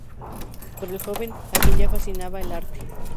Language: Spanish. Pero el joven, a quien ya fascinaba el arte.